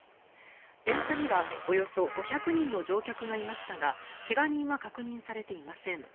電車にはおよそ５００人の乗客がいましたが怪我人は確認されていません。